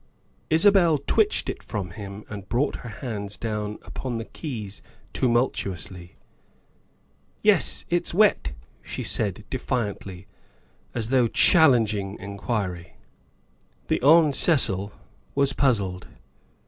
Isabel twitched it from him and brought her hands down upon the keys tumultuously. "Yes, it's wet," she said defiantly, as though chal lenging inquiry. The Hon. Cecil was puzzled.